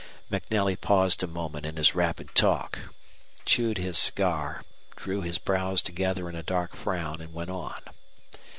MacNelly paused a moment in his rapid talk, chewed his cigar, drew his brows together in a dark frown, and went on.